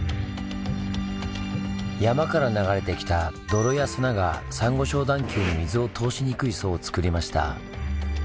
山から流れてきた泥や砂がサンゴ礁段丘に水を通しにくい層をつくりました。